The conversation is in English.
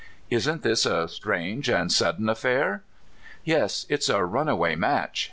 Isn't this a strange and sudden affair? "*' Yes; it's a runaway match.